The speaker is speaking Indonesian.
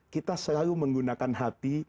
kita selalu menggunakan hati